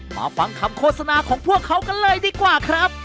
มาฟังคำโฆษณาของพวกเขากันเลยดีกว่าครับ